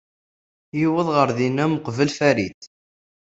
Yuweḍ ɣer din uqbel Farida.